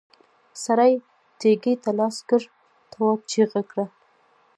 سړي تېږې ته لاس کړ، تواب چيغه کړه!